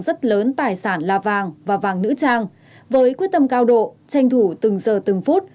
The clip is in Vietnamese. rất lớn tài sản là vàng và vàng nữ trang với quyết tâm cao độ tranh thủ từng giờ từng phút